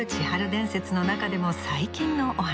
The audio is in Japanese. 伝説の中でも最近のお話。